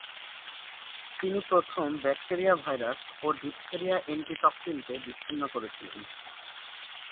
তিনি প্রথম bacteria virus ও ডিফথেরিয়া অ্যান্টিটক্রিনকে বিচ্ছিন্ন করেছিলেন।